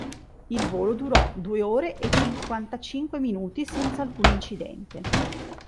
Il volo durò due ore e cinquantacinque minuti senza alcun incidente.